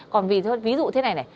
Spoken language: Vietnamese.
còn ví dụ thế này này